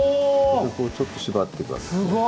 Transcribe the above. こうちょっと縛っていくわけですね。